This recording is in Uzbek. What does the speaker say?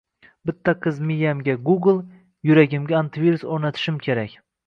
Bitta qiz Miyamga Google, yuragimga AntiVirus o'rnatishim kerak!